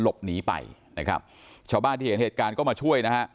หลบหนีไปชาวบ้านที่เห็นเหตุการณ์ก็มาช่วย